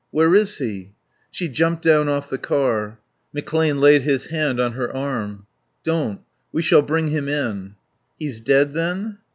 "Where is he?" She jumped down off the car. McClane laid his hand on her arm. "Don't. We shall bring him in " "He's dead then?"